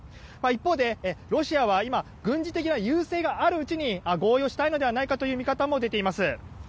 一方で、ロシアは今、軍事的な優勢があるうちに合意をしたいのではないかという見方も出ています。